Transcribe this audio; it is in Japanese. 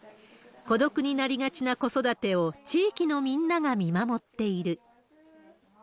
孤独になりがちな子育てを、地域のみんなが見守っている。